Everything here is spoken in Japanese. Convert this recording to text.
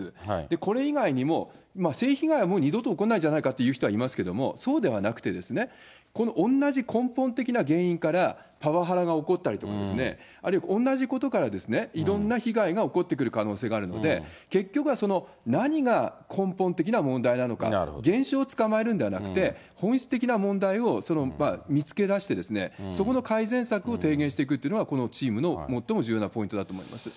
これ以外にも、性被害はもう二度と起こんないんじゃないかという人はいますけども、そうではなくて、この同じ根本的な原因から、パワハラが起こったりですとかですね、あるいは同じことからいろんな被害が起こってくる可能性があるので、結局は何が根本的な問題なのか、現象をつかまえるんじゃなくて、本質的な問題を見つけ出してですね、そこの改善策を提言していくというのが、このチームの最も重要なポイントだと思います。